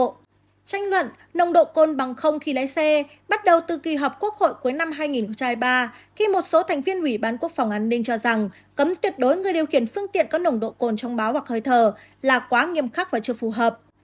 tranh luận nông độ côn bằng không khi lấy xe bắt đầu từ kỳ họp quốc hội cuối năm hai nghìn ba khi một số thành viên ủy ban quốc phòng an ninh cho rằng cấm tuyệt đối người điều khiển phương tiện có nông độ côn trong báo hoặc hơi thờ là quá nghiêm khắc và chưa phù hợp